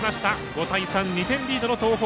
５対３、２点リードの東邦。